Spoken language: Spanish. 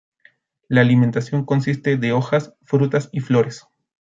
La alimentación consiste de hojas, frutas y flores.